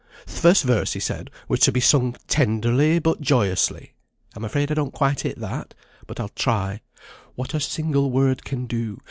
Th' first verse, he said, were to be sung 'tenderly, but joyously!' I'm afraid I don't quite hit that, but I'll try. 'What a single word can do!